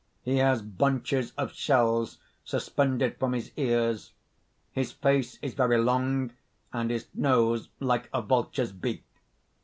He has bunches of shells suspended from his ears; his face is very long, and his nose like a vulture's beak.